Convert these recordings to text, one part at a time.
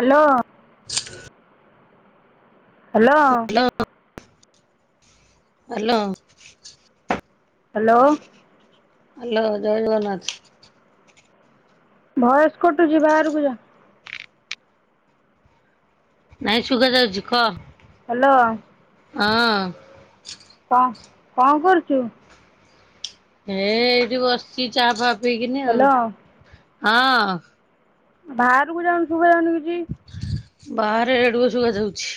Hello. [unintelligible] Hello. Hello. Hello. Hello, ଜୟ Jagannath. Voice କଟୁଛି ବାହାରକୁ ଯା, ନାଇଁ ସୁୁଗା ଯାଉଛି କହ? ହ୍ୟାଲୋ ହଁ କଣ କଣ କରୁଛୁ? ହେ ଏଇଠି ବସିଛି ଚା ଫା ପିଇକିନି ଆଉ, ହ୍ୟାଲୋ ହଁ। ବାହାରକୁ ଯାଉନୁ ଶୁଭା ଯାଉନି କିଛି। ବାହାରେ ରେଡୁଅ ଶୁଭା ଯାଉଛି।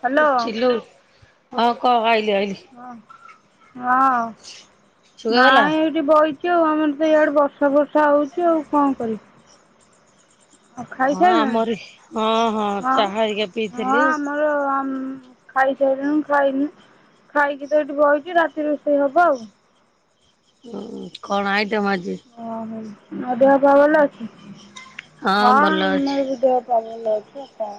ହ୍ୟାଲୋ ଚିଲଉ ହଁ କହ ଆଇଲି ଆଇଲି ହଁ ହଁ ଶୁଗାଗଲା ନାଇଁ ଏଠି ବଇଛୁ ଆଉ ଆମର ତ ଇଆଡେ ବର୍ଷା ଫର୍ଷା ହଉଛି ଆଉ କଣ କରିବୁ? ହଁ ଖାଇସାରିଲଣି ଆମରି ହଁ ହଁ ଚାହା ଆଇିକା ପିଇଥିଲୁ [unintelligible] ଖାଇସାରିଲୁଣି ଖାଇନୁ ଖାଇକି ତ ଏଇଠି ବଇଛୁ ରାତିରେ ରୋଷେଇ ହବ ଆଉ। ହୁଁ କଣ ଆଇଟମ୍ ଆଜି? ଅ ହ, ଆଉ ଦେହ ପା ଭଲ ଅଛି ହଁ, ଭଲ ଅଛି। [unintelligible] ଭଲରେ ଅଛୁ ଆଉ କଣ।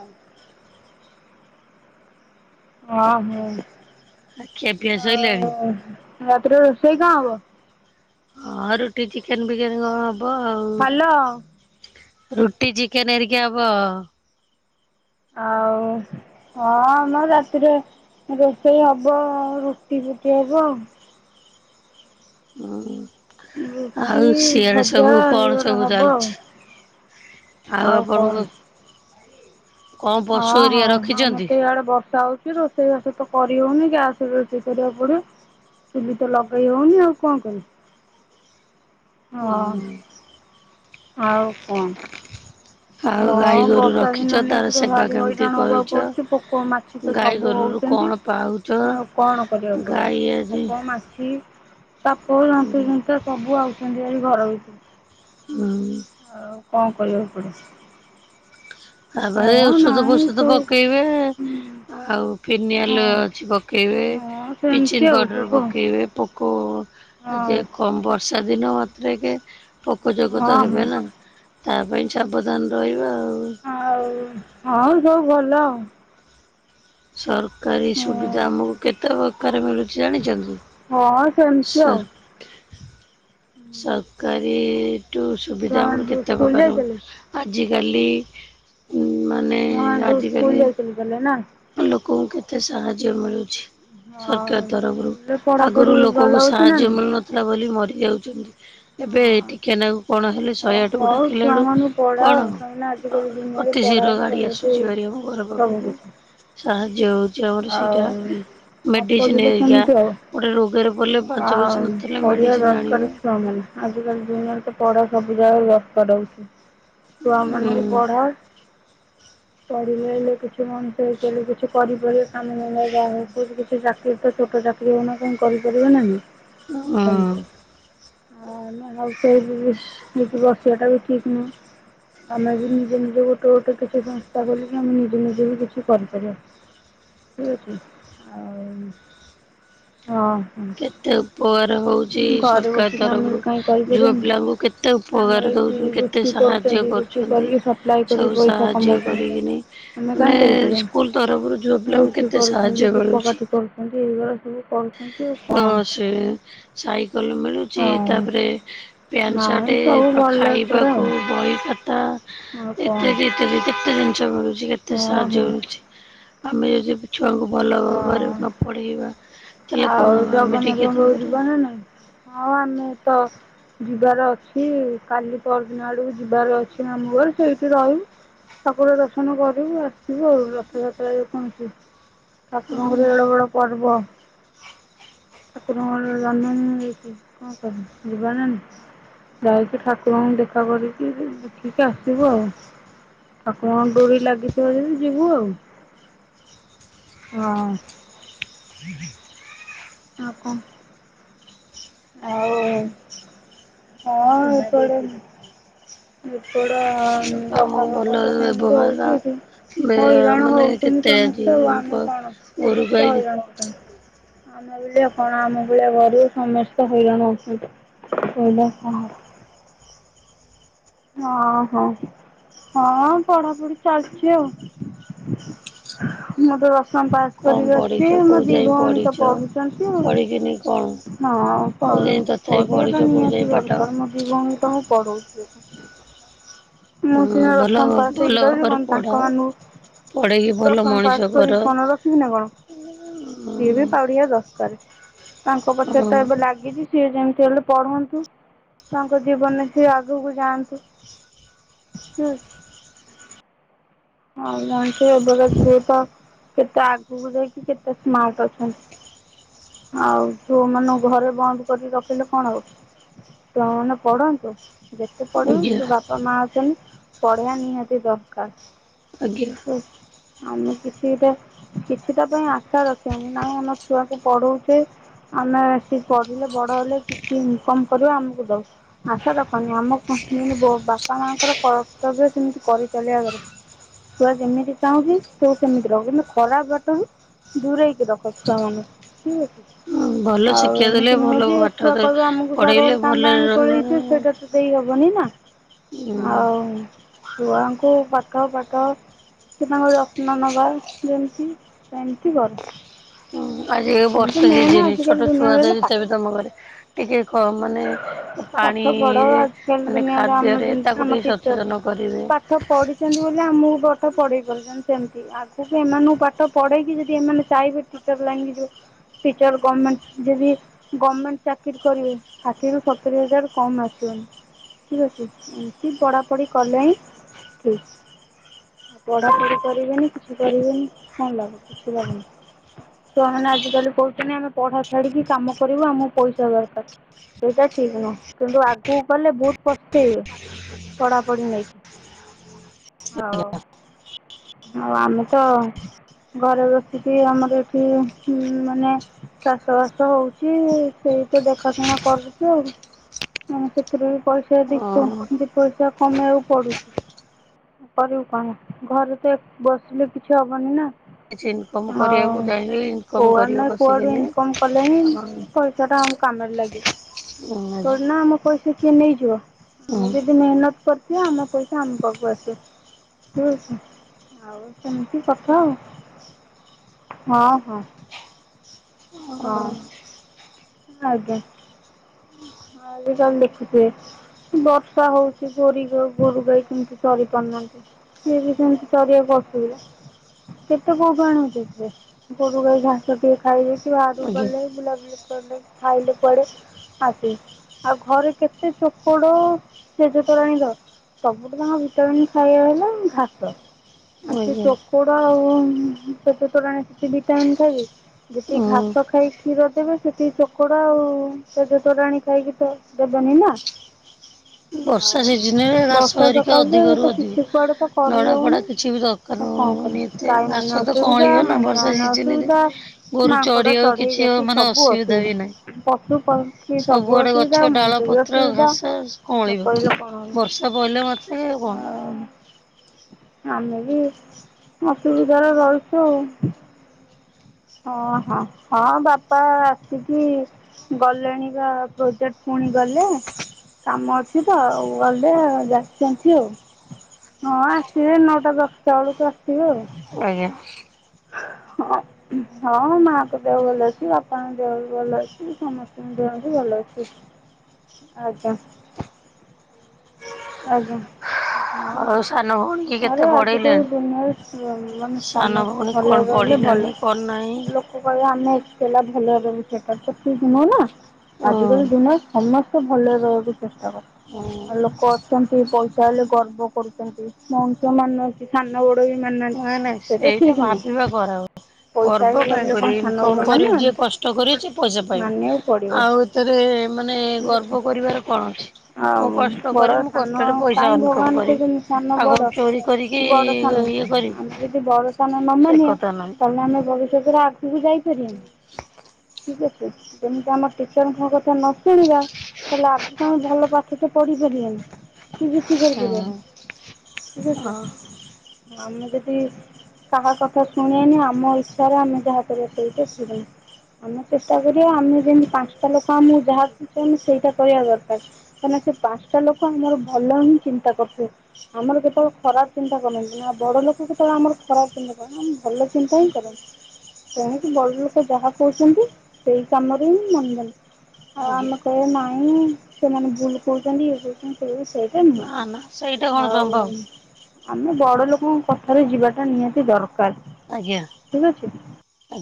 ଅହଁ, ଆଉ ଖିଆ ପିଆ ସଇଲାଣି? ରାତିରେ ରୋଷେଇ କଣ ହବ? ହଁ ରୁଟି ଚିକେନ ଫିକେନ କଣ ହବ ଆଉ। ହ୍ୟାଲୋ ରୁଟି ଚିକେନ ହେରିକା ହବ। ଆଉ ହଁ ମ ରାତିରେ ରୋଷେଇ ହବ ଆଉ ରୁଟି ଫୁଟି ହବ। ଉଁ, ରୁଟି ଆଉ ସିଆଡେ ଭଜା ସବୁ କଣ ଏଇଗୁରା ସବୁ ହବ ଆଉ ଚାଲିଛି? ଆଉ ଆପଣଙ୍କ? କଣ ପଶୁ ହଁ ହଁ, ଏରିଆ ଆମର ରଖିଛନ୍ତି? ତ ଇଆଡେ ବର୍ଷା ହଉଛି ରୋ ରୋଷେଇ ବାସ ତ କରି ହଉନି ଗ୍ୟାସରେ ରୋଷେଇ କରିବାକୁ ପଡିବ। ଚୁଲି ତ ଲଗେଇ ହଉନି ଆଉ କଣ କରିବି। ହଁ ଆଉ କଣ? ଆଉ ହଁ ଗାଈ ଗୋରୁ ବର୍ଷା ରଖିଛ ଦିନ ତାର ନେଇକି ତ ସେବା ଭାରି କେମିତି ହଇରାଣ ହବାକୁ କରୁଛ? ପଡୁଚି ପୋକ ମାଛି ତ ଗାଈ ସବୁ ଗୋରୁରୁ ହଉଛନ୍ତି। କଣ ପାଉଛ? ଆଉ କଣ କରିବାକୁ ଗାଈ ପଡିବ ଆଜି ପୋକ, ମାଛି ସାପ ଜନ୍ତୁ ଜୁନ୍ତା ସବୁ ଆଉଛନ୍ତି ଭାରି ଘର ଭିତରକୁ। ହଁ ଆଉ କଣ କରିବାକୁ ପଡିବ। ତାପାଇଁ ଓଷଧ ଫୋଷଧ ସବୁ ପକେଇବେ। ଆଉ ହଁ ଫିନିଆଲ ଅଛି ପକେଇବେ, ହଁ ସେମିତି ବ୍ଲିଚିଙ୍ଗ ଆଉ ପାଉଡର ସବୁ ପକେଇବେ। ପୋକୋ ଆଉ ଆଜି କମ୍ ବର୍ଷା ଦିନ ମାତ୍ରେକେ ପୋକ ହଁ ଜୋକତ ହଁ ହଁ ହେବେ ନା ତା ପାଇଁ ସାବଧାନ ରହିବା ଆଉ। ଆଉ ହଁ ସବୁ ଭଲ ଆଉ। ସରକାରୀ ଆଉ ସୁବିଧା ଆମକୁ କେତେ ପ୍ରକାରେ ମିଳୁଛି ଜାଣିଛନ୍ତି? ହଁ ସେମତି ଆଉ। ସରକାରୀ ଠୁ ସୁବିଧା ଆମର ଛୁଆମାନେ ସବୁ କେତେ ସ୍କୁଲ ପ୍ରକାର ଯାଇଥିଲେ ଆଜିକାଲି ମାନେ ଛୁଆମାନେ ସବୁ ସ୍କୁଲ ଆଜିକାଲି ଯାଇଥିଲେ ତାହେଲେ ନା ମାନେ ଲୋକଙ୍କୁ କେତେ ସାହାଯ୍ୟ ମିଳୁଛି। ହଁ ସରକାର ତରଫରୁ ସ୍କୁଲରେ ପଢ଼ାପଢ଼ି ଆଗରୁ ଭଲ ଲୋକଙ୍କୁ ହେଉଛି ନା ସାହାଯ୍ୟ ନାଇଁ ମିଳୁନଥିଲା। ଥିଲା ବୋଲି ମରି ଯାଉଛନ୍ତି ଏବେ ହଁ ଟିକେନାକୁ କଣ ହେଲେ ହଉ ଶହେ ଆଠେକୁ ହଉ ଡାକିଲା ବେଳକୁ ଛୁଆମାନଙ୍କୁ ପଢ଼ାଅ କଣ କାହିଁକିନା ହବ ଆଜିକାଲି ଅ ଦୁନିଆରେ ଅତି ପଢ଼ା ଶୀଘ୍ର ହିଁ ଗାଡି ସବୁଠୁ ଆସୁଛି ଭାରି ଆମ ଘର ପାଖକୁ। [inaudible] ସାହାଯ୍ୟ ହୋଉଚି ଆମର ଆଉ ସେଇଟା। ନ ମେଡ଼ିସିନ୍ ପଢ଼ିଲେ ହେରିକା କେମିତି ହବ ଗୋଟେ ରୋଗରେ ପଡ଼ିଲେ ପାଞ୍ଚ ପଇସା ଆଉ ନଥିଲେ ପଢ଼ିବା ମେଡ଼ିସିନ୍ ଦରକାର ଆଣିବା ଛୁଆମାନେ ଆଜିକାଲି ଦୁନିଆରେ ତ ପଢ଼ା ସବୁ ଜାଗାରେ ବ୍ୟସ୍ତ ରହୁଚି। ହୁଁ ଛୁଆମାନଙ୍କୁ ପଢା ପଢ଼ିଲେ ହେଲେ କିଛି ମଣିଷ ହେଇଗଲେ କିଛି କରି ପାରିଏ କାମ ଧନ୍ଦା ଯାହା ହଉ ପୁଅର କିଛି ଚାକିର ତ ଛୋଟ ଚାକିରି ହଉନା କାହିଁ କରିପାରିବେ ନା ନାହିଁ? ଉଁ [unintelligible] ଆ ନାଁ ଆଉ ସେ ବି ନିଜେ ବସିବାଟା ବି ଠିକ୍ ନୁହଁ। ଆମେ ବି ନିଜେ ନିଜେ ଗୋଟେ ଗୋଟେ କିଛି ସଂସ୍ଥା ଖୋଲିକି ଆମେ ନିଜେ ନିଜେ ବି କିଛି କରିପାରିବା। ଠିକ୍ ଅଛି? ଆଉ ହଁ ହୁଁ। କେତେ ଉପକାର ହଉ ଚି ସରକାର ବସିକି ଆମେ ତରଫରୁ କାହିଁ ଝୁଅ କରିପାରିବାନି ପିଲାଙ୍କୁ କେତେ ଆମର ଉପକାର ଏଠି ଦୋଉଚୁଁ କେତେ ରୁଟି ସାହାଯ୍ୟ କରୁଛନ୍ତି କରୁ ରୁଟି ଚନ୍ତି କରିକି ସପ୍ଲାଏ କରି ସବୁ ପଇସା ସାହାଯ୍ୟ କମାଉଛନ୍ତି କରିକିନି ଆମେ କାହିଁ ମାନେ କରିପାରିବାନି ସ୍କୁଲ୍ ତରଫରୁ ଯୋଉ ଝୁଅପିଲାଙ୍କୁ କେତେ ସାହାଯ୍ୟ କରୁଛି। ଏମତି ଏଇଗରା ସବୁ କରୁଛନ୍ତି ଆଉ ତ କ'ଣ ସେ ସାଇକଲ ମିଳୁ ଚି ହଁ ତାପରେ ପ୍ୟାଣ୍ଟ ନାଇଁ ସାଟେ ସବୁ ପା ଭଲ ଏପଟେ ଆଉ ଖାଇବାକୁ ବହି ଖାତା ଆଉ କ'ଣ ଏତେ କେତେ ଦି କେତେ ଜିନିଷ ମିଳୁଚି କେତେ ହଁ ସାହାଯ୍ୟ ହଁ ମିଳୁଚି ଆମେ ଯଦି ଛୁଆକୁ ଭଲ ଭାବରେ ହଁ ନ ପଢ଼େଇବା ତାହେଲେ କଣ ଆଉ ହବ ଆମେ ଜଗନ୍ନାଥଙ୍କ ଟିକେ ପାଖୁ ତାଙ୍କର ଯିବ ନା ନାଇଁ? ହଁ ଆମେ ତ ଯିବାର ଅଛି କାଲି ପରଦିନ ଆଡୁ ଯିବାର ଅ ଏ ମାମୁଁ ଘର ସେଇଠି ରହିବୁ ଠାକୁର ଦର୍ଶନ କରିବୁ ଆ ଥିବୁ ଆଉ ରଥଯାତ୍ରା ଯେକୌଣସି ଠାକୁରଙ୍କର ଏଡ଼େ ବଡ଼ ପର୍ବ। ଠାକୁରଙ୍କର ଜନ୍ମ ଦିନି ଦେଖି କଁ କରି ଯିବା ନାଁ ନାଁ। ଯାଇକି ଠାକୁରଙ୍କୁ ଦେଖା କରିକିରି ଦେଖିକି ଆସିବୁ ଆଉ। ଠାକୁରଙ୍କ ଡୋରି ଲାଗିଥିବ ଯଦି ଯିବୁ ଆଉ ହଁ। ହ ଆ କଁ ଆଉ ଅ ଏପଡ଼େ ଏପଡ଼ ଆମ ବର୍ଷା ଭଲ ଫର୍ଷା ତ ସେମତି ବ୍ୟବହାର ହଉଚି ଏଠି। ବେ ହଇରାଣ ମାନେ ହୋଉଚନ୍ତି କେତେ ଆଜି ସମସ୍ତେ ଆଉ ଆମେ କଣ ଗୋରୁ ସମସ୍ତେ ଗାଈ ହଇରାଣ ହୋଉଚନ୍ତି। ଆମେ ବେଲିଆ କଣ ଆମ ଭଳିଆ ଗରିବ ସମସ୍ତେ ହଇରାଣ ଅଛନ୍ତି। କହିଲେ ଆଉ କଁ ହ ଅଁ ହଁ ହଁ ପଢ଼ାପୁଢ଼ି ଚାଲିଚି ଆଉ। ମୁଁ ତ ଦଶମ ପାସ୍। କଣ କରିକି ପଢିଛ ଅଛି ମୋ କୋଉ ଦି ଯାଏଁ ଭଉଣୀ ତ ପଢିଛ? ପଢୁଚନ୍ତି ଆଉ। ପଢିକିନି କଣ ହଁ ପ କୋଉ ଯାଏଁ ତଥାପି ପଢିଛ ପଢିବାଟା କୋଉ ଯାଏଁ ନିହାତି ପାଠ ଦରକାର ମୋ ଦି ଭଉଣୀକି ତ ମୁଁ ପଢଉଚି। ହଁ ମୁଁ ସିନା ଭଲ ଦଶମ ପାସ ଭଲ ହେଇକି ରହିଚି ଭାବରେ କଁ ତାଙ୍କ ପଢ଼ାଅ ପଢ଼େଇକି ମାନୁଙ୍କୁ ଭଲ ଦଶମ ମଣିଷ ପାସ କର। କରିକି କଣ ରଖିମି ନା କଣ? ସିଏ ବି ପାଉଡିଆ ଦରକାରେ ତାଙ୍କ ହଁ ପଛରେ ତ ଏବେ ଲାଗିଚି। ସିଏ ଯେମିତି ହେଲେ ପଢନ୍ତୁ ତାଙ୍କ ଜୀବନରେ ସିଏ ଆଗୁକୁ ଯାଆନ୍ତୁ ହୁଁ। ହଁ ମଣିଷ ଏବେକା ଝିଅ ତ କେତେ ଆଗକୁ ଯାଇକି କେତେ ସ୍ମାର୍ଟ ଅଛନ୍ତି। ଆଉ ଛୁଆ ମାନଙ୍କୁ ଘରେ ବନ୍ଦ କରିକି ରଖେଲେ କଣ ହବ ଛୁଆ ମାନେ ପଢନ୍ତୁ ଯେତେ ପଢିବୁ ଆଜ୍ଞା ତ ବାପା ମା ଅଛଛନ୍ତି ପଢିବା ନିହାତି ଦରକାର ଆଜ୍ଞା ଆମେ କିଛିଟ କିଛିଟା ପାଇଁ ଆଶା ରଖିଛନ୍ତି ନାଇଁ ଆମ ଛୁଆକୁ ପଢଉଛେ ଆମେ ବ ପଢିଲେ ବଡ ହେଲେ କିଛି ଇନ୍କମ କରିବା ଆମକୁ ଦଉ ଆଶା ଦଖନି ଆମ ବାପା ମାଙ୍କର କର୍ତ୍ତବ୍ୟ ସେମିତି କରିଚାଲିବା ଦରକାର ଛୁଆ ଯେମିତି ଚାହୁଁଛି ତୁ ସେମିତି ରହୁ କିନ୍ତୁ ଖରାପ ବାଟନ ଦୂରେଇ କି ରଖ ଛୁଆମାନଙ୍କୁ ଠିକ୍ ଅଛି ହଁ ଭଲ ଆଉ ଶିକ୍ଷା ଦେଲେ ଏମିତି ନୁହଁ ଭଲ ଯେ ପାଠ ଛୁଆ ଦେ କହିବେ ଆମକୁ ପଢ଼େଇଲେ ସରଗରୁ ଚାନ୍ଦ ଭଲରେ ଆଣି ରହିବେ ତୋଳେଇଦିଅ ଆଉ। ସେଇଟା ତ ଦେଇ ହବନି ନା ହୁଁ ଆଉ ଛୁଆଙ୍କୁ ପାଖ ପାଠ ତ ସେ ତାଙ୍କ ଯତ୍ନ ନେବା ଯେମିତି ସେମିତି କର ଆଜି କିନ୍ତୁ ବର୍ଷ ହେ ମେନ୍ ଜିନି ଆଜିକାଲି ଛୋଟ ଛୁଆ ଦୁନିଆରେ ତ ହେଲା ଯେତେବେ ପାଠ ତମ ଘରେ ଟିକେ ମାନେ ପାଠ ପଢ଼ ପାଣିରେ ଆଜିକାଲି ମାନେ ଦୁନିଆରେ ଆମେ ଖାଦ୍ୟରେ ଯେମିତି ତାକୁ ଆମ ଟିକେ ଟିଚର୍ ଯୋଜନ କରିବେ ପାଠ ପଢିଛନ୍ତି ବୋଲି ଆମକୁ ପାଠ ପଢେଇ ପାରୁଛନ୍ତି ସେମିତି ଆଗକୁ ଏମାନଙ୍କୁ ପାଠ ପଢେଇକି ଯଦି ଏମାନେ ଚାହିବେ ଟିଚର ଲାଇନ୍ ଯଦି ଟିଚର ଗମେଣ୍ଟ ଯଦି ଗମେଣ୍ଟ ଚାକିରି କରିବ ଷାଠିଏରୁ ସତୁରୀ ହଜାର କମ୍ ଆସିବନି ଠିକ୍ ଅଛି। ଏମତି ପଢା ପଢି କଲେ ହିଁ ଠିକ୍। ପଢାପଢି କରିବେନି କିଛି କରିବେନି କଣ ଲାଭ? କିଛି ଲାଭ ନାହିଁ। ଛୁଆମାନେ ଆଜିକାଲି କହୁଛନ୍ତି ଆମେ ପଢା ଛାଡିକି କାମ କରିବୁ ଆମକୁ ପଇସା ଦରକାର। ସେଇଟା ଠିକ୍ ନୁହଁ କିନ୍ତୁ ଆଗକୁ ଗଲେ ବହୁତ ପସ୍ତେଇବେ [inaudible] ହଉ ଆଉ ଆମେ ତ ଘରେ ବସିକି ଆମର ଏଠି ମାନେ ଚାଷ ବାସ ହଉଛି ସେଇ ତ ଦେଖାଶୁଣା କରୁଚୁ ଆଉ ଆଁ ସେଥିରୁ ବି ପଇସା ଦ ହଁ ଦି ପଇସା କମେଇବାକୁ ପଡୁଛି କରିବୁ କଣ ଘରେ ତ ବସିଲେ କିଛି ହବନି ନା କିଛି ଇନକମ୍ ଆଉ କରିବାକୁ ଚାହିଁଲେ ଇନକମ୍ କୁଆଡୁ କରିବ ନା କୁଆଡୁ ବସିକିନି। ଇନ୍ କମ କଲେ ହିଁ ପଇସାଟା ଆମ କାମରେ ଲାଗିବ। ମୁଁ ଆଜି ଥୋଡି ନା ଆମ ପଇସା କିଏ ନେଇଯିବ? ଆମେ ଯଦି ମେହନତ କରି ସିଏ ଆମ ପଇସା ଆମ ପାଖକୁ ଆସିବ। ଠିକ୍ ଅଛି। ଆଉ ସେମିତି କଥା ଆଉ। ହଁ ହଁ। ହଁ। ଆଜ୍ଞା। ଆଜିକାଲି ଦେଖୁଥିବେ ବର୍ଷା ହଉଛି ଗୋରି ଗୋରୁଗାଈ କେମିତି ଚରି ପାରୁନାହାନ୍ତି। ସିଏ ବି ସେମିତି ଚଳିବାକୁ ଅସୁବିଧା। କେତେ କଉଠୁ ଆଣନ୍ତି ସେ ଗୋରୁଗାଈ ଘାସ ଟିକେ ଖାଇବେ ଟିକେ ବାହରକୁ ଆଜ୍ଞା ଗଲେ ବୁଲାବୁଲି କଲେ ଖାଇଲେ କୁଆଡେ଼ ଆସିଲେ। ଆଉ ଘରେ କେତେ ଚୋକଡ ପେଜତୋରାଣି ଦବ? ସବୁଠୁ ତାଙ୍କ ଭିଟାମନ୍ ଖାଇବା ହେଲା ଘାସ। ଆଉ ସେ ଆଜ୍ଞା ଚୋକଡ଼ ଆଉ ପେଜ ତୋରାଣି ସେ ଭିଟାମିନ୍ ଖାଇବେକି? ଯେତିକି ହଁ ଘାସ ଖାଇ କ୍ଷୀର ଦେବେ ସେତିକି ଚୋକଡ ଆଉ ପେଜତୋରାଣି ଖାଇକିତ ଦେବନି ନା? ବର୍ଷା ହଉ ସିଜିନରେ ଘାସ ବର୍ଷା ହେରିକା ସକାଶେ ଯେ ଇଏ ଅଧିକରୁ ତ ଅଧିକ କିଛି କୁଆଡେ ତ କରି ନଡ଼ା ଫଡ଼ା ହଉନି। କିଛି ବି ଦରକାର ତ କଣ ହବନି କରିବି ଏତେ ଗାଈ ଘାସ ମାନେ ତ ଅସୁବିଧା କଅଁଳିବ ନା ମଣିଷ ବର୍ଷା ମାନେ ସିଜିନରେ ଅସୁବିଧା। ଗୋରୁ ମାଙ୍କଡ ଚରିବାକୁ ଚଢେଇ କିଛି ଜାତି ମାନେ ସବୁ ବି ନାହିଁ ଅସୁବିଧା। ପଶୁ ପକ୍ଷୀ ସବୁ ସବୁଆଡେ ଅସୁବିଧା ମୁଣିଷ ବି ଅସୁବିଧା। ଆଉ କହିଲେ କଅଁଳିବକି କଣ ହେବ ବର୍ଷା ପଇଲାମାତ୍ରେ କ ଆଉ ଆମେ ବି ଅସୁବିଧାରେ ରହିଛୁ ଆଉ। ହଁ ହଁ ହଁ ବାପା ଆସିକି ଗଲେଣି ପା ପ୍ରୋଜେକ୍ଟ ପୁଣି ଗଲେ। କାମ ଅଛି ତ ଆଉ ଗଲେ ଯାଛନ୍ତି ଆଉ। ହଁ ଆସିବେ ନଅଟା ଦଶଟା ବେଳକୁ ଆସିବେ ଆଉ। ଆଜ୍ଞା ହଁ ହଁ ମାଙ୍କ ଦେହ ଭଲ ଅଛି ବାପାଙ୍କ ଦେହ ଭଲ ଅଛି ସମ ଦେହବି ଭଲ ଅଛି। ଆଜ୍ଞା। ଆଜ୍ଞା। ହଁ ଆଉ ହଁ ସାନ ଭଉଣୀ କି କେତେ ଆରେ ଆଜିକାଲି ପଢେଇଲେଣି ଦୁନିଆରେ ମାନେ ସାନ ସମସ୍ତେ ଭଉଣୀ କଣ ଭଲ ରହିଲେ ଭଲ। ସେ [unintelligible] କହିବେ ଆମେ ଏକଲା ଭଲରେ ରହିବୁ ସେଟା ତ ଠିକ ନୁହଁ ନା। ଆଜିକାଲି ହୁଁ ଦୁନିଆରେ ସମ ତ ଭଲରେ ରହିବାକୁ ଚେଷ୍ଟା କରୁ। ହୁଁ ଲୋକ ଅଛନ୍ତି ପଇସା ହେଲେ ଗର୍ବ କରୁଛନ୍ତି। ମଣିଷ ମାନୁ ନାହାନ୍ତି। ସାନ ବଡ଼ ନାଇଁ ନାଇଁ ସେଇଟା ଭାବିବା ଖରାପ। ପଇସା ଗର୍ବ ହେଇଗଲା କାହିଁକ ବୋଲି କଣ କରିବେ ସାନ ବଡ ଇନକମ କରିବୁ ଯିଏ ମାନିବନି। କଷ୍ଟ କରିବ ସେ ପଇସା ମାନିବାକୁ ପଡ଼ିବ ପାଇବୁ ଆଉ। ତେରେ ମାନେ ଠିକ୍ ଅଛି ଗର୍ବ କରିବାର କଣ ଅଛି? ମୁଁ ଆଉ କଷ୍ଟ ବଡ଼ କରି ମୁଁ ସାନ କଷ୍ଟରେ ପଇସା କାହିଁ ଭଗବାନ ଅନକମ କରିବି। କହିଛନ୍ତି ସାନ ଆଉ ବଡ଼ କଣ ଚୋରି କି କରିକି ବଡ଼ ସାନ ଇଏ କରିବି ଆମେ ଯଦି ବଡସ ଆମେ ମାମା ସେ ନିଏ କଥା ନାହିଁ। ତହେଲେ ଆମେ ବ ସେରେ ଆଗକୁ ଯାଇପାରନି। ଠିକ ଅଛି। ଯେମିତି ଆମ ଟିଚରଙ୍କ କଥା ନ ଶୁଣିବା ତାହେଲେ ଆଗକୁ ଭଲ ପାଠ ତ ପଢିପାରିବାନି। କେହି କିଛି କରିପରିବେନି। ହଁ ଠିକ ହଁ ଅଛି। ଆମେ ଯଦି କାହା କଥା ଶୁଣିବାନି। ଆମ ଇଚ୍ଛାରେ ଆମେ ଯାହା କରିବା ସେଇଟା ଠିକ ନୁହେଁ। ଆମେ ଚେଷ୍ଟା କରିବା ଆମେ ଯେମିତି ପାଞ୍ଚଟା ଲୋକ ଆମକୁ ଯାହାକହୁଛନ୍ତି। ସେଇଟା କରିବା ଦରକାର। ମାନେ ସେ ପାଞ୍ଚଟା ଲୋକ ଆମର ଭଲ ହିଁ ଚିନ୍ତା କରୁଥିବେ। ଆମର କେତେବେଳେ ଖରାପ ଚିନ୍ତା କରନ୍ତିନି ନା ବଡ ଲୋକ କେତେବେଳେ ଆମର ଖରାପ ଚିନ୍ତା କର ହ ଭଲ ଚିନ୍ତା ହିଁ କରନ୍ତି। ତେଣକି ବଡ଼ ଲୋକ ଯାହା କହୁଛନ୍ତି ସେଇ କାମରେ ହିଁ ମନଦଵ। ଆଉ ଆଜ୍ଞା ଆମେ କହିବା ନାହିଁ ସେମାନେ ଭୁଲ କହୁଛନ୍ତି ଇଏ କଛନ୍ତି ସେ ସେଇଟା ନୁହଁ। ନା ନା ସେଇଟା କଣ ଆଉ ସମ୍ଭବ ଆମେ ବଡ ଲୋକଙ୍କ କଥାରେ ଯିବାଟା ନିହାତି ଦରକାର। ଆଜ୍ଞା ଠିକ ଅଛି ଆଜ୍ଞା।